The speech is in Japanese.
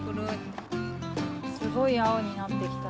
すごいあおになってきたね。